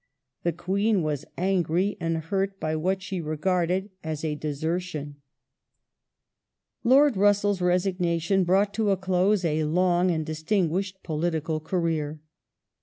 The Queen was angi y and hurt at what she regarded as a " desertion ". Lord Russell's resignation brought to a close a long and dis Earl tinguished political career.